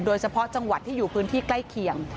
โดยเฉพาะจังหวัดที่อยู่พื้นที่ใกล้เคียง